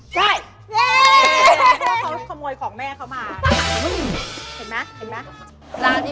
ใช่